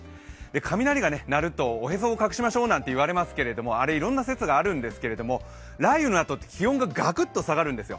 雷が鳴るとおへそを隠しましょうなんていわれていますがあれいろんな説があるんですけど雷雨のあと気温がガクッと下がるんですよ。